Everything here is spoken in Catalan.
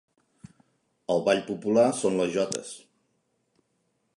El ball popular són les jotes.